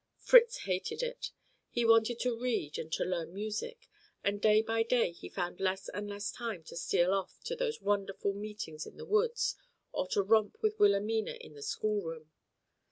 Fritz hated it; he wanted to read and to learn music, and day by day he found less and less time to steal off to those wonderful meetings in the woods or to romp with Wilhelmina in the schoolroom.